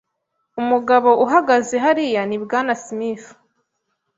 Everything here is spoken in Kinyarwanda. Umugabo uhagaze hariya ni Bwana Smith.